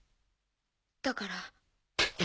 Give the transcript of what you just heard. だから。